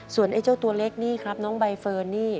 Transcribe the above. ส่วนไอ้เจ้าตัวเล็กนี่ครับน้องใบเฟิร์นนี่